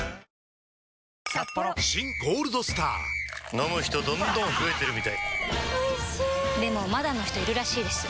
飲む人どんどん増えてるみたいおいしでもまだの人いるらしいですよ